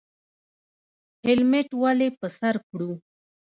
هیلمټ ولې په سر کړو؟